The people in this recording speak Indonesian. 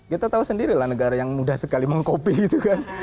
kita tahu sendiri lah negara yang mudah sekali mengkopi gitu kan